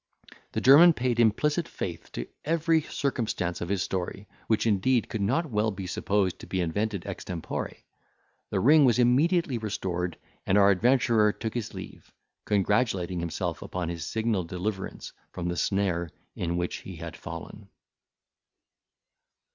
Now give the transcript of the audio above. The German paid implicit faith to every circumstance of his story, which indeed could not well be supposed to be invented extempore; the ring was immediately restored, and our adventurer took his leave, congratulating himself upon his signal deliverance from the snare in which he had fallen.